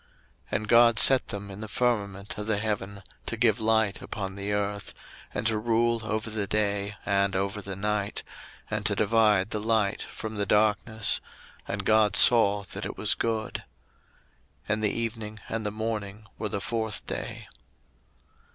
01:001:017 And God set them in the firmament of the heaven to give light upon the earth, 01:001:018 And to rule over the day and over the night, and to divide the light from the darkness: and God saw that it was good. 01:001:019 And the evening and the morning were the fourth day.